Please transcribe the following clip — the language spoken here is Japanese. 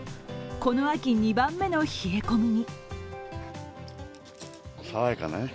この秋２番目の冷え込みに。